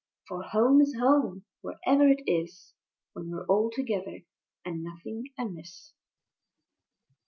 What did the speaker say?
For Home is Home wherever it is, When we're all together and nothing amiss.